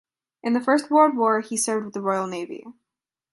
In the First World War he served with the Royal Navy.